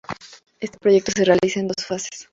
Este proyecto se realiza en dos fases.